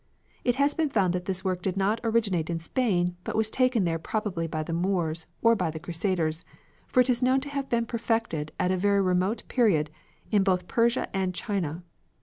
It has been found that this work did not originate in Spain but was taken there probably by the Moors or by the Crusaders, for it is known to have been perfected at a very remote period in both Persia and China.